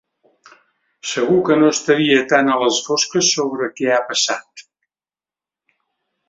Segur que no estaria tan a les fosques sobre què ha passat.